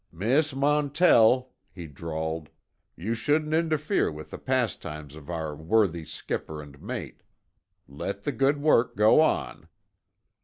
"Miss Montell," he drawled. "You shouldn't interfere with the pastimes of our worthy skipper and mate. Let the good work go on."